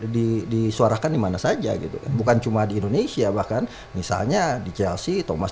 di disuarakan dimana saja gitu bukan cuma di indonesia bahkan misalnya di chelsea thomas